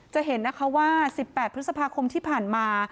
จะเห็นนะคะว่า๑๘พฤษภาคมที่ผ่านมา